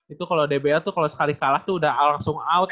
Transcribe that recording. itu kalau dbl tuh kalau sekali kalah tuh udah langsung out